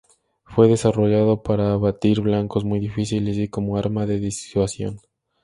Fue desarrollado para abatir blancos muy difíciles y como arma de disuasión.